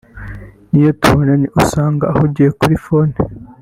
niyo tubonanye usanga ahugiye kuri telefone